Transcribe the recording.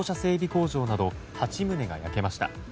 工場など８棟が焼けました。